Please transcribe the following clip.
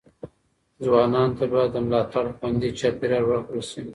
ځوانانو ته باید د ملاتړ خوندي چاپیریال ورکړل شي.